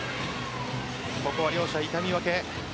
ここは両者痛み分け。